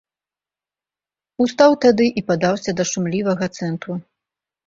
Устаў тады і падаўся да шумлівага цэнтру.